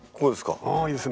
あいいですね。